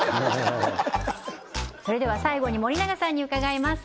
それでは最後に森永さんに伺います